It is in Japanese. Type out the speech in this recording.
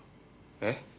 えっ？